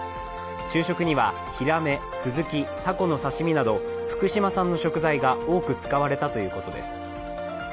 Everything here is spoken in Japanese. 昼食にはヒラメ、スズキ、たこの刺身など福島産の食材が多く使われたということです。